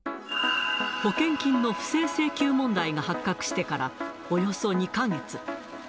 保険金の不正請求問題が発覚してからおよそ２か月。